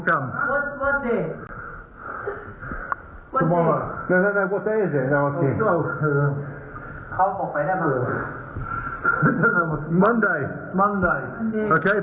กำลังเรียน